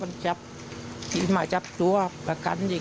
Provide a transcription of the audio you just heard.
ระวังฉันกอยว่าตัวมาจับแล้วก็ตัวอย่างจริง